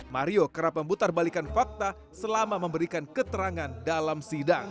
mario kerap memutarbalikan fakta selama memberikan keterangan dalam sidang